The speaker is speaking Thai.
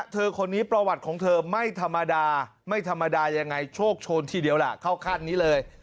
คนนี้ประวัติของเธอไม่ธรรมดาไม่ธรรมดายังไงโชคโชนทีเดียวล่ะเข้าขั้นนี้เลย